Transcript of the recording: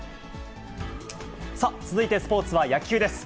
続いてスポーツは野球です。